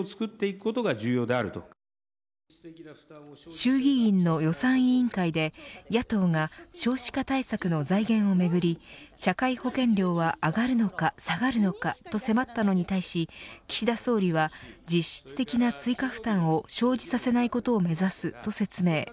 衆議院の予算委員会で野党が少子化対策の財源をめぐり社会保険料は上がるのか下がるのかと迫ったのに対し、岸田総理は実質的な追加負担を生じさせないことを目指すと説明。